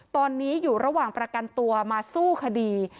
ตอนนี้อยู่ระหว่างประกันตัวมาสู้คดี